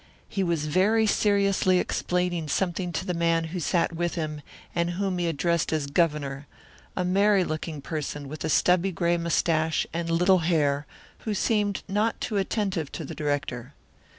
He was very seriously explaining something to the man who sat with him and whom he addressed as Governor, a merry looking person with a stubby gray mustache and little hair, who seemed not too attentive to the director.